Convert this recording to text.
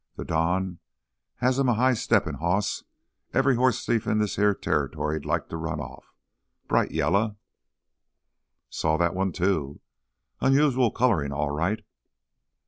Th' Don has him a high steppin' hoss every hoss thief in this here territory'd like to run off. Bright yaller—" "Saw that one, too. Unusual colorin' all right."